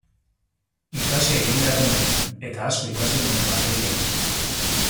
Ikasi egin behar nuen, eta asko ikasi nuen Madrilen.